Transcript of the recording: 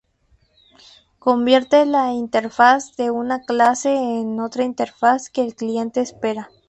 Convierte la interfaz de una clase en otra interfaz que el cliente espera.